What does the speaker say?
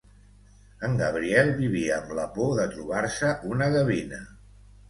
En Gabriel vivia amb la por de trobar-se una gavina.